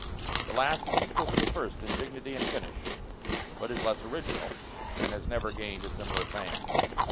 The last is equal to the first in dignity and finish, but is less original, and has never gained a similar fame.